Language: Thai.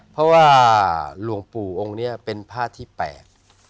เพราะว่าหลวงปู่องค์นี้เป็นผ้าที่แปลก